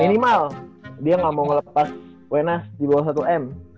minimal dia ga mau ngelepas wenas dibawah satu m